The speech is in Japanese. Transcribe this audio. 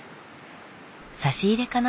差し入れかな？